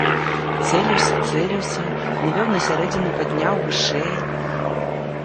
Цэліўся, цэліўся, навёў на сярэдзіну, падняў вышэй.